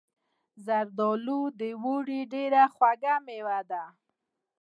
زردالو د اوړي ډیره خوږه میوه ده.